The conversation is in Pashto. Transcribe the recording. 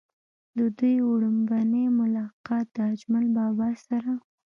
د دوي وړومبے ملاقات د اجمل بابا سره